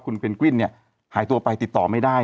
คุณเพนกวินหายทั่วไปติดต่อไม่ได้